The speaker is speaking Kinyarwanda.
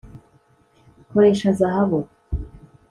koresha zahabu